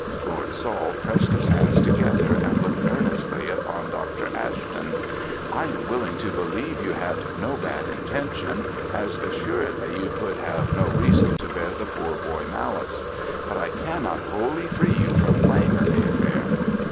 Lord Saul pressed his hands together and looked earnestly upon Dr. Ashton. "I am willing to believe you had no bad intention, as assuredly you could have no reason to bear the poor boy malice: but I cannot wholly free you from blame in the affair."